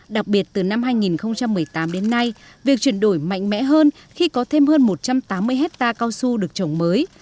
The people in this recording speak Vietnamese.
đặc biệt từ năm hai nghìn một mươi tám đến nay việc chuyển đổi mạnh mẽ hơn khi có thêm hơn một trăm tám mươi hectare cao su được trồng mới